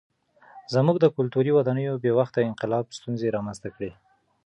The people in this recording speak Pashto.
زموږ د کلتوري ودانیو بې وخته انقلاب ستونزې رامنځته کړې.